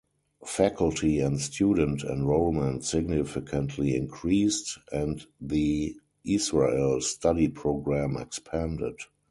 Faculty and student enrollment significantly increased, and the Israel study program expanded.